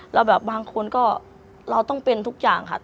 แล้วแบบบางคนก็เราต้องเป็นทุกอย่างค่ะ